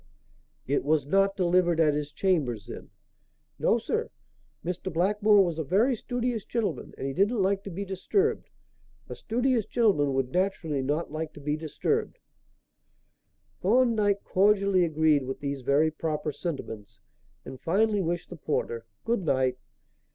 "It was not delivered at his chambers, then?" "No, sir. Mr. Blackmore was a very studious gentleman and he didn't like to be disturbed. A studious gentleman would naturally not like to be disturbed." Thorndyke cordially agreed with these very proper sentiments and finally wished the porter "good night."